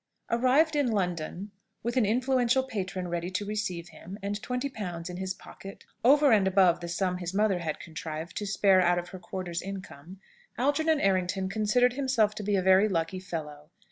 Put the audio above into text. Arrived in London, with an influential patron ready to receive him, and twenty pounds in his pocket, over and above the sum his mother had contrived to spare out of her quarter's income, Algernon Errington considered himself to be a very lucky fellow.